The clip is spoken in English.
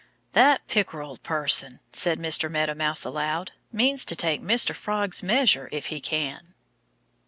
"That Pickerel person," said Mr. Meadow Mouse aloud, "means to take Mr. Frog's measure if he can."